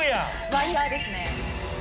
ワイヤーですね！